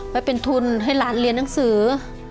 ไปเป็นทุนให้หลานเรียนหนังสือ